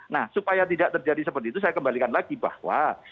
nah supaya tidak terjadi seperti itu saya kembalikan lagi bahwa